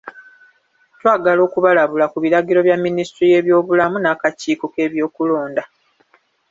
Twagala okubalabula ku biragiro bya Minisitule y'ebyobulamu n'akakiiko k'ebyokulonda.